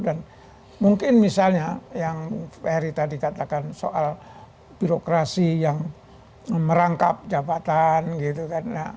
dan mungkin misalnya yang ferry tadi katakan soal birokrasi yang merangkap jabatan gitu kan